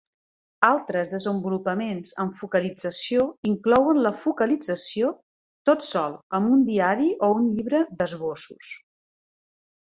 Altres desenvolupaments en focalització inclouen la focalització tot sol amb un diari o un llibre d'esbossos.